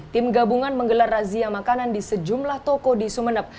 tim gabungan menggelar razia makanan di sejumlah toko di sumeneb